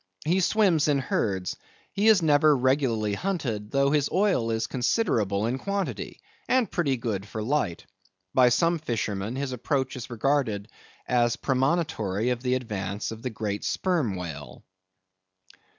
He swims in herds; he is never regularly hunted, though his oil is considerable in quantity, and pretty good for light. By some fishermen his approach is regarded as premonitory of the advance of the great sperm whale.